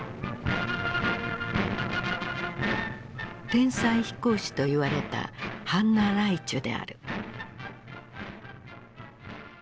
天才飛行士といわれたハンナ・ライチュである。